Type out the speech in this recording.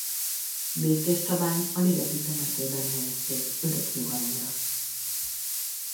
Békéscsabán a Ligeti temetőben helyezték örök nyugalomra.